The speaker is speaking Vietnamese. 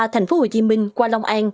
thành phố hồ chí minh qua lòng an